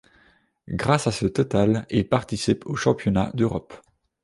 Grâce à ce total, il participe aux championnats d'Europe.